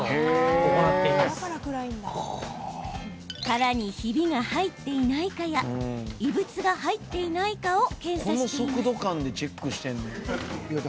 殻に、ひびが入っていないかや異物が入っていないかを検査しています。